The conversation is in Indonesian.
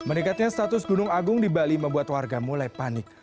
meningkatnya status gunung agung di bali membuat warga mulai panik